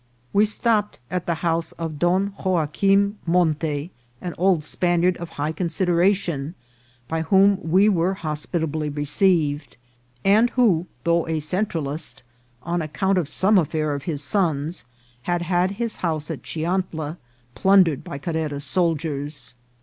We stopped at the house of Don Joaquim Monte, an old Spaniard of high consideration, by whom we were hospitably re ceived, and who, though a Centralist, on account of some affair of his sons, had had his house at Chiantla plundered by Carrera's soldiers.